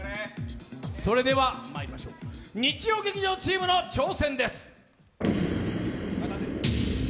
それではまいりましょう、日曜劇場チームの挑戦です。